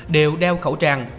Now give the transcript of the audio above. đều đeo khẩu trang